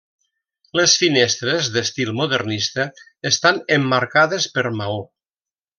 Les finestres, d'estil modernista, estan emmarcades per maó.